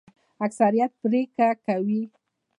اکثریت پریکړه کوي